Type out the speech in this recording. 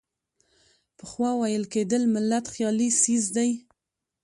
پخوا ویل کېدل ملت خیالي څیز دی.